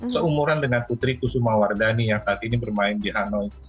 seumuran dengan putri kusuma wardani yang saat ini bermain di hanoi